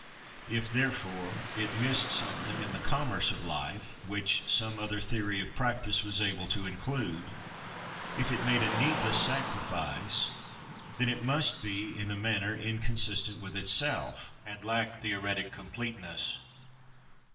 If, therefore, it missed something in the commerce of life, which some other theory of practice was able to include, if it made a needless sacrifice, then it must be, in a manner, inconsistent with itself, and lack theoretic completeness.